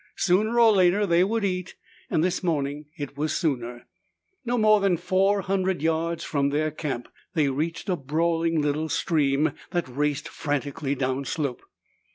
Sooner or later they would eat, and this morning it was sooner. No more than four hundred yards from their camp they reached a brawling little stream that raced frantically downslope.